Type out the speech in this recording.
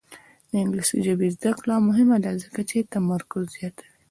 د انګلیسي ژبې زده کړه مهمه ده ځکه چې تمرکز زیاتوي.